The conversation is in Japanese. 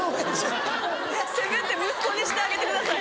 せめて「息子」にしてあげてください。